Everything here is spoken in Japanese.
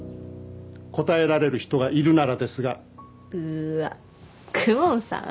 答えられる人がいるならですがうーわ公文さん？